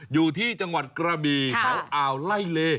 อยู่ที่จังหวัดกระบีแถวอ่าวไล่เล